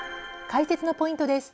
解説のポイントです。